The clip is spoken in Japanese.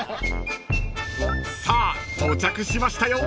［さあ到着しましたよ］